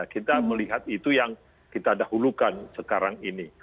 kita melihat itu yang kita dahulukan sekarang ini